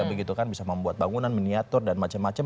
begitu kan bisa membuat bangunan miniatur dan macem macem